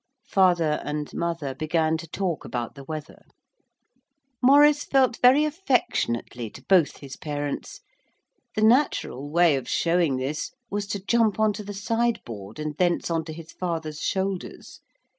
Father and mother began to talk about the weather. Maurice felt very affectionately to both his parents. The natural way of showing this was to jump on to the sideboard and thence on to his father's shoulders.